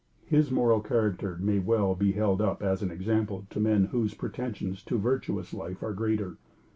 His moral character may well be held up as an example to men whose pretensions to virtuous life are greater.